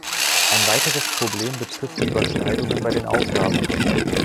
Ein weiteres Problem betrifft die Überschneidungen bei den Aufgaben.